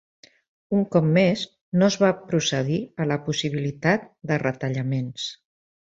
Un cop més, no es va procedir a la possibilitat de retallaments.